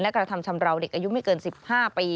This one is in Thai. กระทำชำราวเด็กอายุไม่เกิน๑๕ปี